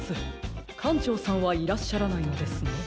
かんちょうさんはいらっしゃらないのですね？